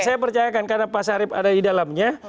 saya percayakan karena pak sarip ada di dalamnya